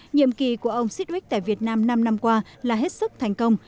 nhiệm kỳ của ông sittwick tại việt nam năm năm qua là hết sức thành công